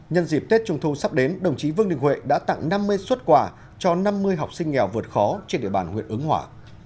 nhân dịp tết trung thu sắp đến đồng chí vương đình huệ đã tặng năm mươi xuất quà cho năm mươi học sinh nghèo vượt khó trên địa bàn huyện ứng hòa